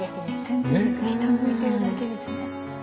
下向いてるだけですね。